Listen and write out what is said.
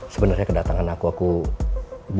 sebenarnya kedatangan aku aku butuh banyak masalah